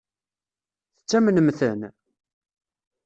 Tettamnem-ten?